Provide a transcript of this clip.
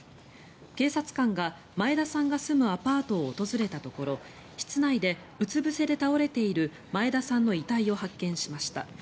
警察官が、前田さんが住むアパートを訪れたところ室内でうつぶせで倒れている前田さんの遺体を発見しました。